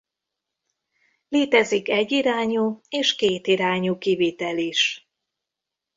Létezik egyirányú és kétirányú kivitel is.